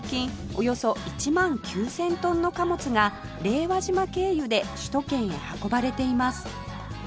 およそ１万９０００トンの貨物が令和島経由で首都圏へ運ばれています